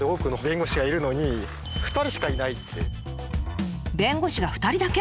弁護士が２人だけ？